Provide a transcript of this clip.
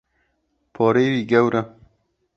Porê wî gewr e.